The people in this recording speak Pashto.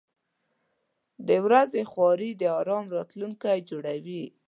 • د ورځې خواري د آرام راتلونکی جوړوي.